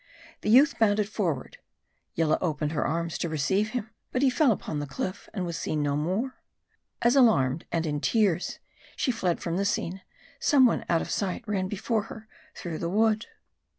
The youth bounded forward. Yillah opened her arms to receive him ; but he fell upon the cliff, and was seen no more. As alarmed, and in tears, she fled from the scene, some one out of sight ran before her through the wood.